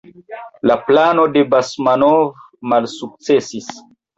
La plano de Basmanov malsukcesis.